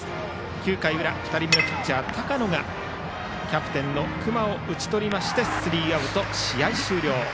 ９回裏、２人目のピッチャー高野がキャプテンの隈を打ち取りましてスリーアウト、試合終了。